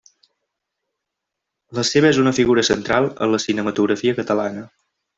La seva és una figura central en la cinematografia catalana.